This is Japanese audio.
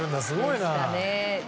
すごいな。